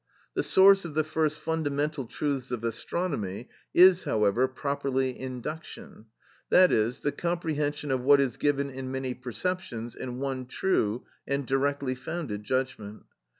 The source of the first fundamental truths of astronomy is, however, properly induction, that is, the comprehension of what is given in many perceptions in one true and directly founded judgment.